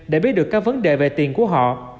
để biết được các vấn đề về tiền của họ